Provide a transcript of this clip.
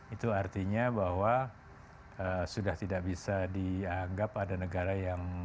itu artinya bahwa sudah tidak bisa dianggap ada negara yang